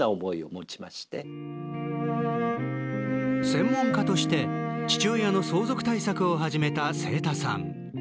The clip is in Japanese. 専門家として父親の相続対策を始めた清田さん。